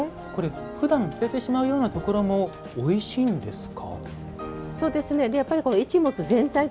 ふだん捨ててしまうようなところもおいしいんですか？